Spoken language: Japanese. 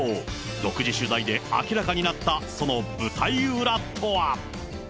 独自取材で明らかになった、その舞台裏とは。